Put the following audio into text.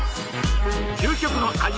究極の味